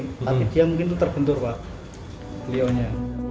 tapi dia mungkin itu terbentur pak beliaunya